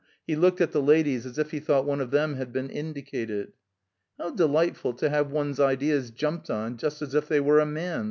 He looked at the ladies as if he thought one of them had been indicated. "How delightful to have one's ideas jumped on just as if they were a man's!"